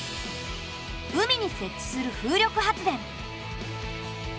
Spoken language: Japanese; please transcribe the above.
海に設置する風力発電。